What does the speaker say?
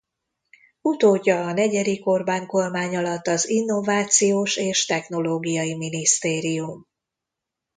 Utódja a negyedik Orbán-kormány alatt az Innovációs és Technológiai Minisztérium.